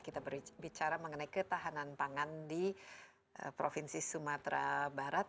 kita berbicara mengenai ketahanan pangan di provinsi sumatera barat